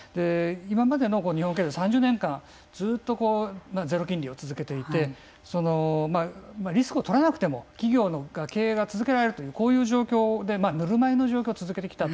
今までの日本経済、３０年間ずっとゼロ金利を続けていてリスクをとらなくても企業の経営が続けられるというこういう状況でぬるま湯の状況を続けてきた。